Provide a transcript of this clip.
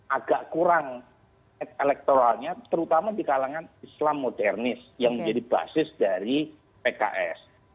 agak kurang elektoralnya terutama di kalangan islam modernis yang menjadi basis dari pks